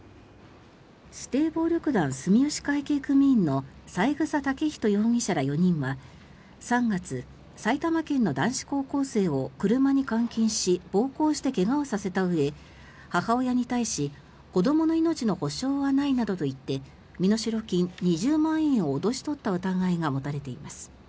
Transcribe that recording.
指定暴力団住吉会系組員の三枝丈人容疑者ら４人は３月埼玉県の男子高校生を車に監禁し暴行して怪我をさせたうえ母親に対し子どもの命の保証はないなどと言って身代金２０万円を脅し取った疑いが持たれています。